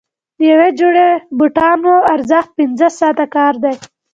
د یوې جوړې بوټانو ارزښت پنځه ساعته کار دی.